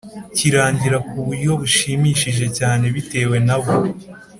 kirangira ku buryo bushimishije cyane bitewe n'abo